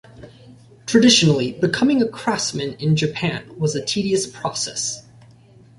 Traditionally, becoming a craftsman in Japan was a tedious process.